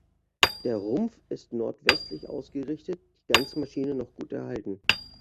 Der Rumpf ist nordwestlich ausgerichtet, die ganze Maschine noch gut erhalten.